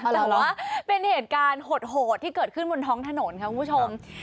แต่ว่าเป็นเหตุการณ์โหดที่เกิดขึ้นบนท้องถนนค่ะคุณผู้ชม